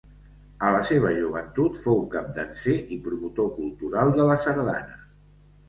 A la seva joventut fou capdanser i promotor cultural de la sardana.